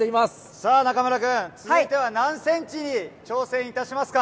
さあ、中村君、続いては何センチに挑戦いたしますか？